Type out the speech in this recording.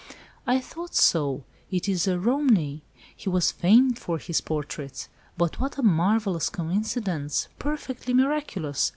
"I thought so, it is a Romney. He was famed for his portraits. But what a marvellous coincidence! Perfectly miraculous!